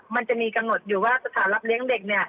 มันจะมีกำหนดอยู่ว่าสถานรับเลี้ยงเด็กเนี่ย